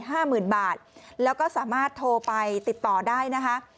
ห้าหมื่นบาทแล้วก็สามารถโทรไปติดต่อได้นะคะ